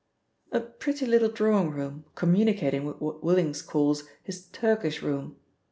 "A pretty little drawing room communicating with what Willings calls his Turkish room.